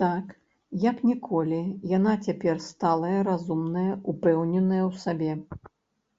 Так, як ніколі, яна цяпер сталая, разумная, упэўненая ў сабе.